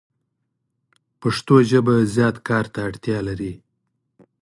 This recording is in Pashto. پښتو ژبه زیات کار ته اړتیا لری